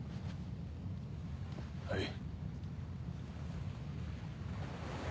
はい。